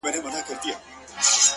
• خو ستا صبر هرګز نه دی د ستایلو ,